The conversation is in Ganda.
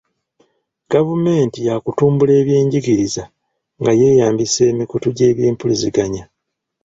Gavumenti ya kutumbula ebyenjigiriza nga yeeyambisa emikutu gy'ebyempuliziganya.